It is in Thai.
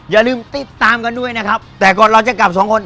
อย่าลืมติดตามกันด้วยนะครับแต่ก่อนเราจะกลับสองคน